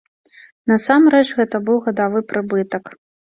Насамрэч гэта быў гадавы прыбытак.